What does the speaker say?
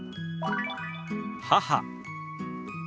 「母」。